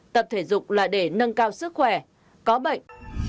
tập thể dục là để nâng cao sức khỏe có bệnh